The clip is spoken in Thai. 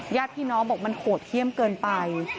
ญาติพี่น้องบอกมันโหดเยี่ยมเกินไป